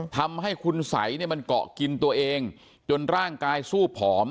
ทำให้คุณสัยเนี่ยมันเกาะกินตัวเองจนร่างกายสู้ผอม